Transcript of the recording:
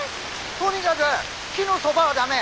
とにかぐ木のそばは駄目。